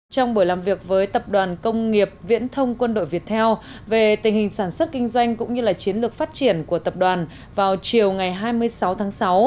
trong buổi làm việc với tập đoàn công nghiệp viễn thông quân đội việt theo về tình hình sản xuất kinh doanh cũng như chiến lược phát triển của tập đoàn vào chiều ngày hai mươi sáu tháng sáu